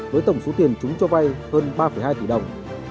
với tổng số tiền chúng cho vay hơn ba hai tỷ đồng